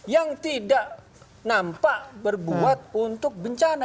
yang tidak nampak berbuat untuk bencana